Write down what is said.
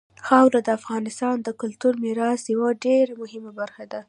خاوره د افغانستان د کلتوري میراث یوه ډېره مهمه برخه ده.